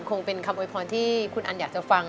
คงเป็นคำโวยพรที่คุณอันอยากจะฟัง